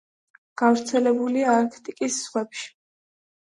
გავრცელებულია არქტიკის ზღვებში.